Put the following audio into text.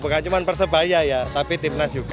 bukan cuma persebaya ya tapi timnas juga